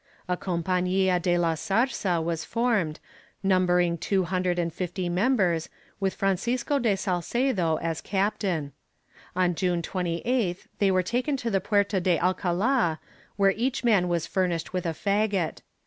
A compania de la Zarza was formed, numbering two hundred and fifty members, with Francisco de Salcedo as captain. On June 28th they were taken to the puerta de Alcala, where each man was furnished with a fagot.